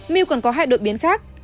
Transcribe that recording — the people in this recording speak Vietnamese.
mew còn có hai đột biến khác